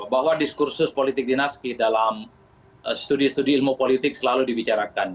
bahwa diskursus politik dinasti dalam studi studi ilmu politik selalu dibicarakan